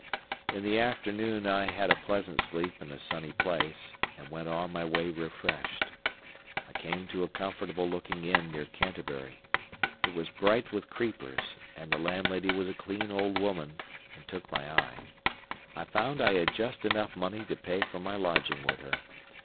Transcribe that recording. In the afternoon I had a pleasant sleep in a sunny place, and went on my way refreshed. I came to a comfortable looking inn near Canterbury. It was bright with creepers, and the landlady was a clean old woman and took my eye. I found I had just enough money to pay for my lodging with her.